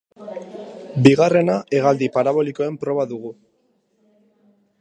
Bigarrena hegaldi parabolikoen proba dugu.